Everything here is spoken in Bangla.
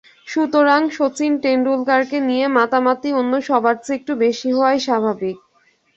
সুতরাং শচীন টেন্ডুলকারকে নিয়ে মাতামাতি অন্য সবার চেয়ে একটু বেশি হওয়াই স্বাভাবিক।